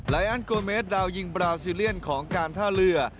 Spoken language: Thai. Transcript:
อันโกเมสดาวยิงบราซิเลียนของการท่าเรือ